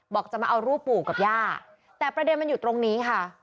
จะมาเอารูปปู่กับย่าแต่ประเด็นมันอยู่ตรงนี้ค่ะ